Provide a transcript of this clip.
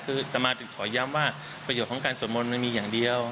คือตามมาถึงขอย้ำว่าประโยชน์ของการสวดมนต์มันมีอย่างเดียว